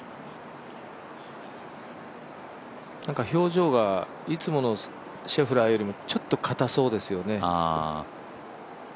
なんか表情がいつものシェフラーよりもちょっとかたそうですよね。